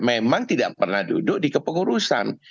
memang tidak pernah duduk di kepengurusan